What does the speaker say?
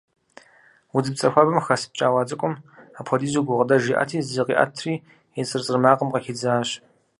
Удзыпцӏэ хуабэм хэс пкӏауэ цӏыкӏум апхуэдизу гукъыдэж иӏэти, зыкъиӏэтри, и цӏыр-цӏыр макъым къыхидзащ.